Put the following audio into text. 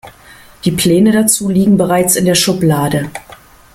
Die Pläne dazu liegen bereits in der Schublade.